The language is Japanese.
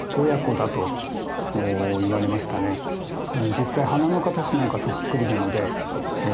実際鼻の形なんかはそっくりなので。